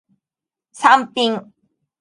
サンピン